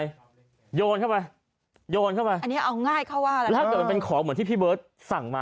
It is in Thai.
โยนเข้าไปโยนเข้าไปแล้วถ้าเป็นของเหมือนที่พี่เบิร์ตสั่งมา